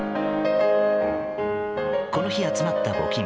この日集まった募金